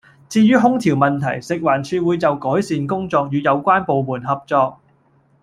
至於空調問題，食環署會就改善工作與有關部門合作